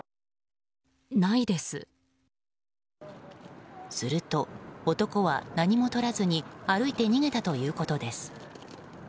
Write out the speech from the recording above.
すると、男は何もとらずに歩いて逃げたということです。